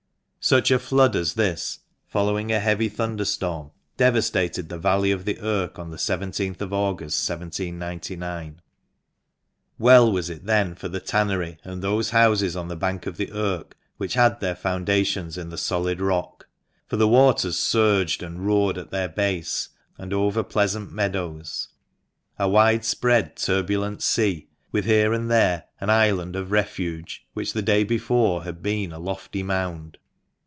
Such a flood as this, following a heavy thunder storm, devastated the valley of the Irk, on the i/th of August, 1799. Well was it then for the tannery and those houses on the bank of the Irk which had their foundations in the solid rock, for the waters surged and roared at their base and over pleasant meadows — a widespread turbulent sea, with here and there an island of refuge, which the day before had been a lofty mound.